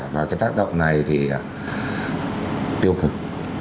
và cái tác động này thì tiêu cực